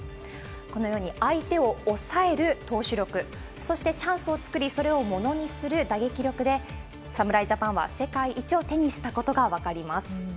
このように、相手を抑える投手力、そして、チャンスを作り、それを物にする打撃力で、侍ジャパンは世界一を手にしたことが分かります。